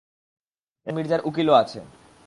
এখন মির্জার উকিলও আছে!